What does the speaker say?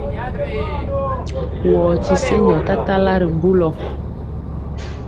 Wɔɔ ti senjɔ tatala ri bulɔ.